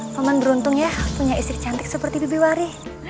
paman beruntung ya punya istri cantik seperti bibi wari